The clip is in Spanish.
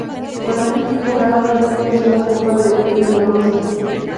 Con este equipo gana tres Ligas y una Copa de Bielorrusia.